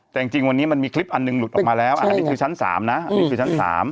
แต่จริงวันนี้มันมีคลิปอันหนึ่งหลุดออกมาแล้วอันนี้คือชั้น๓นะนี่คือชั้น๓